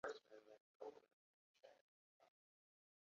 أحضره إلي.